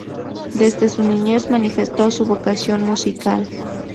Desde su niñez manifestó su vocación musical.